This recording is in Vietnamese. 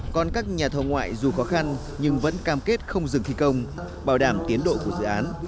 còn các nhà thầu ngoại dù khó khăn nhưng vẫn cam kết không dừng thi công bảo đảm tiến độ của dự án